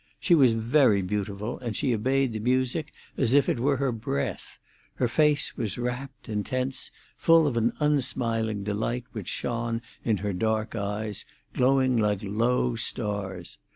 She was very beautiful, and she obeyed the music as if it were her breath; her face was rapt, intense, full of an unsmiling delight, which shone in her dark eyes, glowing like low stars.